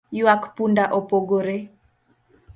Ywak punda opogore